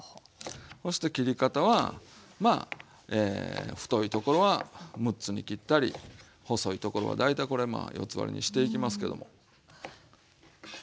そして切り方はまあ太いところは６つに切ったり細いところは大体これまあ４つ割りにしていきますけども。ね。